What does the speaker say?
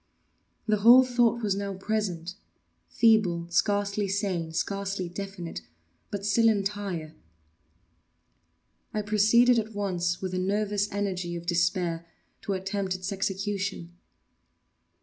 The whole thought was now present—feeble, scarcely sane, scarcely definite,—but still entire. I proceeded at once, with the nervous energy of despair, to attempt its execution.